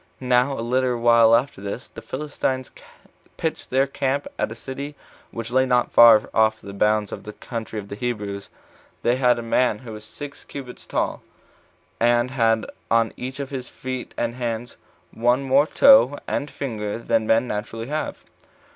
Now a little while after this, the Philistines pitched their camp at a city which lay not far off the bounds of the country of the Hebrews. They had a man who was six cubits tall, and had on each of his feet and hands one more toe and finger than men naturally have.